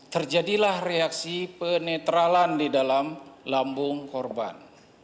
terjadilah reaksi penetralan di dalam lambung korban